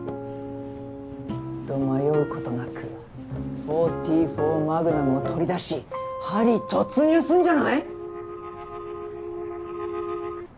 きっと迷うことなく４４マグナムを取り出しハリー突入すんじゃない？